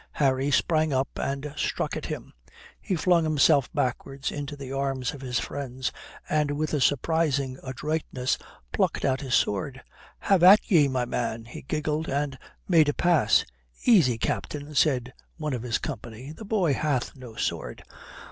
Harry sprang up and struck at him. He flung himself backwards into the arms of his friends and with a surprising adroitness plucked out his sword. "Have at ye, my man;" he giggled and made a pass. "Easy, Captain," says one of his company. "The boy hath no sword."